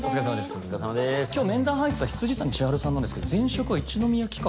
今日面談入ってた未谷千晴さんなんですけど前職は一之宮企画ですよね。